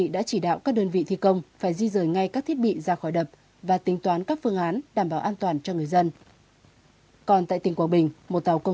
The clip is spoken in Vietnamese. đã chỉ đạo các địa phương vền biển chuẩn bị sẵn sàng di dân đến nơi an toàn để chủ động sơ tán dân đến nơi an toàn